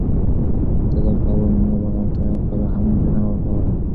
که ته دلته وای، ما به غم ته کله هم اجازه نه ورکوله.